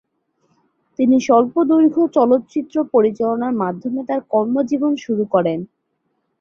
তিনি স্বল্পদৈর্ঘ্য চলচ্চিত্র পরিচালনার মাধ্যমে তার কর্মজীবন শুরু করেন।